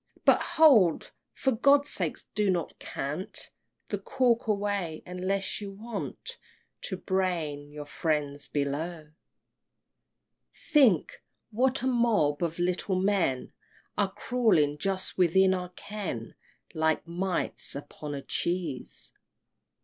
But hold! for God's sake do not cant The cork away unless you want To brain your friends below. XII. Think! what a mob of little men Are crawling just within our ken, Like mites upon a cheese!